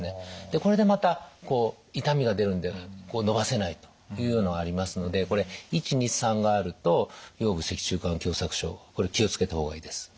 でこれでまた痛みが出るんで伸ばせないというのがありますのでこれ①②③があると腰部脊柱管狭窄症気を付けた方がいいです。